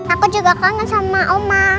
aku juga kangen sama oma